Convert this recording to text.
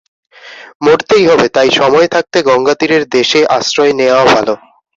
মরতেই হবে, তাই সময় থাকতে গঙ্গাতীরের দেশে আশ্রয় নেওয়া ভালো।